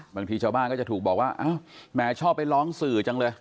บางทีชาวบ้านก็จะถูกบอกว่าอ้าวแหมชอบไปร้องสื่อจังเลย